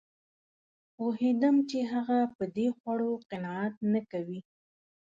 پوهېدم چې هغه په دې خوړو قناعت نه کوي